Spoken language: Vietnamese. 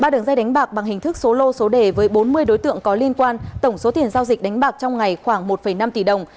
ba đường dây đánh bạc bằng hình thức số lô số đề với bốn mươi đối tượng có liên quan tổng số tiền giao dịch đánh bạc trong ngày khoảng một năm tỷ đồng